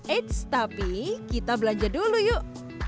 eits tapi kita belanja dulu yuk